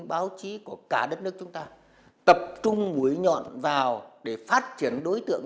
báo chí của cả đất nước chúng ta tập trung mũi nhọn vào để phát triển đối tượng